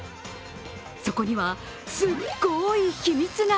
そこには、すごい秘密が。